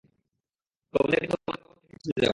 তোমাদেরকে তোমাদের অবস্থায় রেখে চলে যাব।